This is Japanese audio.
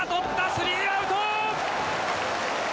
スリーアウト！